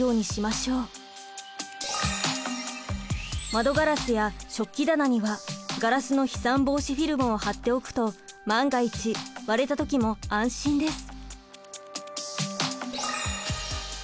窓ガラスや食器棚にはガラスの飛散防止フィルムを貼っておくと万が一割れた時も安心です。